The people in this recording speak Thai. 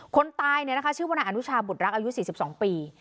คนตายชื่อว่านายอนุชาบุตรรักอายุ๔๒ปี